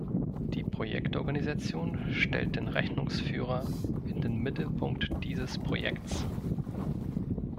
Die Projektorganisation stellt den Rechnungsführer in den Mittelpunkt dieses Projekts.